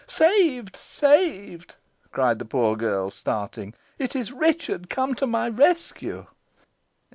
"Saved! saved!" cried the poor girl, starting. "It is Richard come to my rescue!"